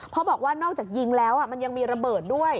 เพราะบอกว่านอกจากยิงแล้วมันยังมีระเบิดด้วย